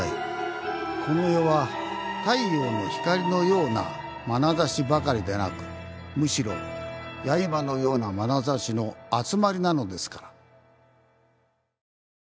この世は太陽の光のようなまなざしばかりでなくむしろやいばのようなまなざしの集まりなのですから。